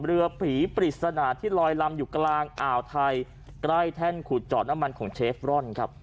เรือผีปริศนาที่ลอยลำอยู่กลางอ่าวไทยใกล้แท่นขุดเจาะน้ำมันของเชฟรอนครับ